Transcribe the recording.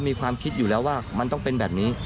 มีความคิดอยู่แล้วว่ามันต้องเป็นแบบนี้